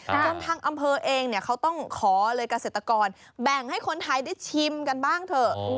จนทางอำเภอเองเขาต้องขอเลยเกษตรกรแบ่งให้คนไทยได้ชิมกันบ้างเถอะ